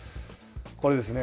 これですね。